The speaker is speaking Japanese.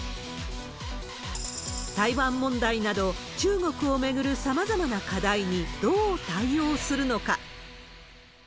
台湾問題など、中国を巡るさまざまな課題にどう対応するのか。